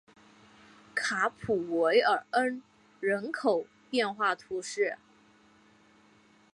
卡普韦尔恩人口变化图示